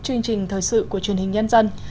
chương trình thời sự của truyền hình nhân dân